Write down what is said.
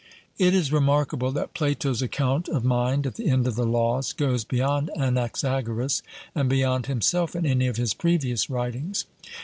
It is remarkable that Plato's account of mind at the end of the Laws goes beyond Anaxagoras, and beyond himself in any of his previous writings.